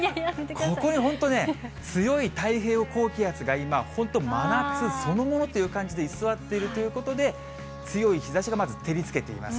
ここに本当、強い太平洋高気圧が今、本当、真夏そのものという感じで、居座っているということで、強い日ざしがまず照りつけています。